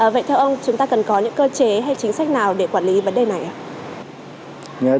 vậy theo ông chúng ta cần có những cơ chế hay chính sách nào để quản lý vấn đề này ạ